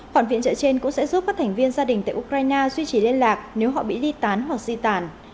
khoản viện trợ trên cũng sẽ giúp các thành viên gia đình tại ukraine duy trì liên lạc nếu họ bị ly tán hoặc di tản